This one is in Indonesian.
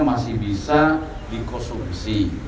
masih bisa dikonsumsi